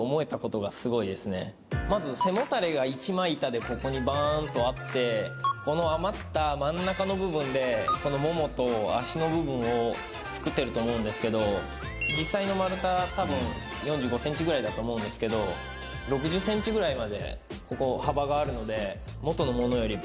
まず背もたれが一枚板でここにバンとあってこの余った真ん中の部分でこのももと足の部分を作ってると思うんですけど実際の丸太たぶん４５ｃｍぐらいだと思うんですけど６０ｃｍぐらいまでここ幅があるので。